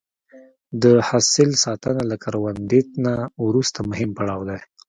د حاصل ساتنه له کروندې نه وروسته مهم پړاو دی.